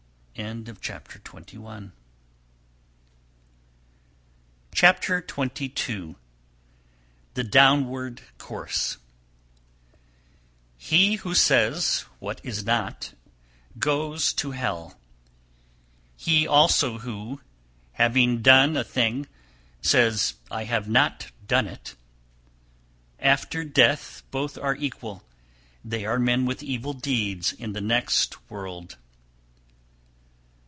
Chapter XXII. The Downward Course 306. He who says what is not, goes to hell; he also who, having done a thing, says I have not done it. After death both are equal, they are men with evil deeds in the next world.